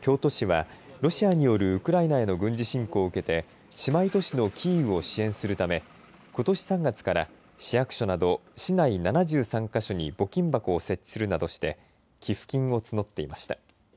京都市はロシアによるウクライナへの軍事侵攻を受けて姉妹都市のキーウを支援するためことし３月から市役所など市内７３か所に募金箱を設置するなどして寄付金を募っていました。